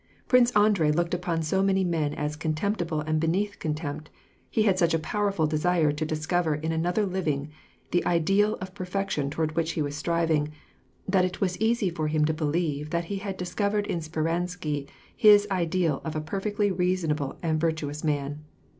Prince Andrei looked upon so many men as contemptible and beneath contempt, he had such a powerful desire to dis cover in another the living ideal of the perfection toward which he was striving, that it was easy for him to believe that he had discoYered in Speransky his ideal of a perfectly reasonable and virtuous man.